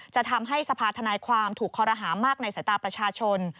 จะทำให้สภาธนายความถูกคอรหามากในสายตาประชาชน